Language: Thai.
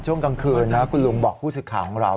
ช่วงกลางคืนนะคุณลุงบอกผู้สิทธิ์ข่าวของเรา